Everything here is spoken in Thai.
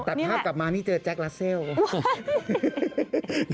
ตัดภาพกลับมานี่เจอแจ๊คลาเซล